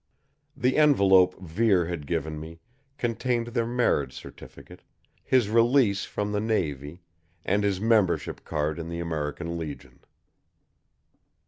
The envelope Vere had given me contained their marriage certificate, his release from the Navy, and his membership card in the American Legion.